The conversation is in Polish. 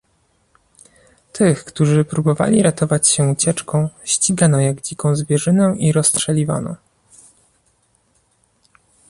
Tych, którzy próbowali ratować się ucieczką, ścigano jak dziką zwierzynę i rozstrzeliwano